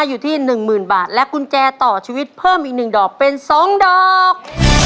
อยู่ที่๑๐๐๐บาทและกุญแจต่อชีวิตเพิ่มอีก๑ดอกเป็น๒ดอก